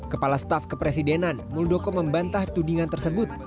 kepala staf kepresidenan muldoko membantah tudingan tersebut